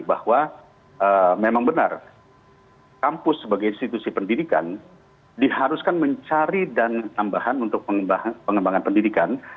bahwa memang benar kampus sebagai institusi pendidikan diharuskan mencari dana tambahan untuk pengembangan pendidikan